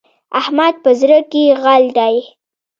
احمد په زړه کې غل دی.